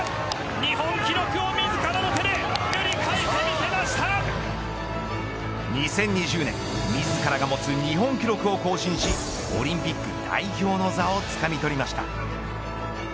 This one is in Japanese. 日本記録を自らの手で２０２０年自らが持つ日本記録を更新しオリンピック代表の座をつかみ取りました。